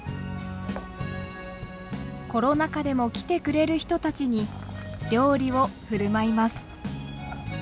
コロナ禍でも来てくれる人たちに料理を振る舞います。